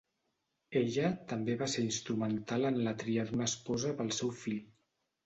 Ella també va ser instrumental en la tria d'una esposa pel seu fill.